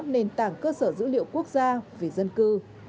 nền tảng cơ sở dữ liệu quốc gia về dân cư